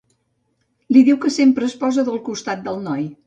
Li diu que sempre es posa del costat del noi.